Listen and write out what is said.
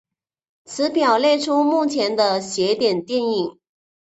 此表列出目前的邪典电影。